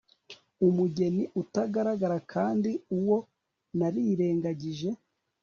Umugeni utagaragara kandi uwo narirengagije